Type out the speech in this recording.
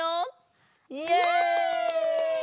イエイ！